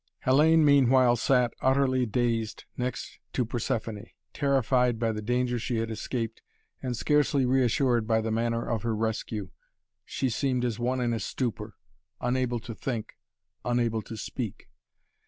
Hellayne meanwhile sat, utterly dazed, next to Persephoné. Terrified by the danger she had escaped, and scarcely reassured by the manner of her rescue she seemed as one in a stupor, unable to think, unable to speak.